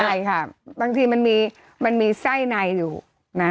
ใช่ค่ะบางทีมันมีไส้ในอยู่นะ